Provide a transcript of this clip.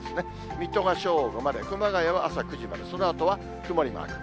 水戸が正午まで、熊谷は朝９時まで、そのあとは曇りマーク。